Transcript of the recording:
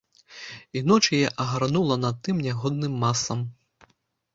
І ноч яе агарнула над тым нягодным маслам.